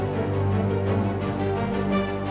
rasanya gue gak enak